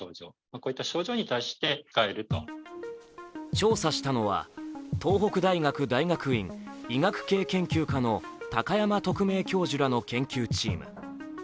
調査したのは東北大学大学院医学系研究科の高山特命教授らの研究チーム。